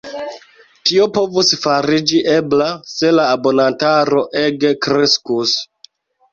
Tio povus fariĝi ebla, se la abonantaro ege kreskus.